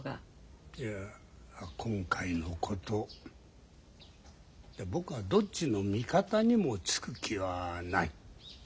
いや今回のこと僕はどっちの味方にもつく気はない。